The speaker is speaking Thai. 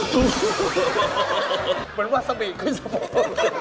เหมือนวาซาบีขึ้นสโบสถ์